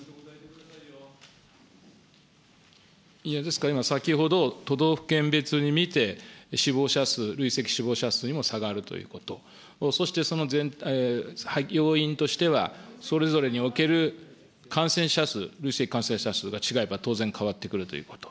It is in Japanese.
ですから、今、先ほど、都道府県別に見て、死亡者数、累積死亡者数にも差があるということ、そしてその要因としては、それぞれにおける感染者数、累積感染者数が違えば、当然変わってくるということ。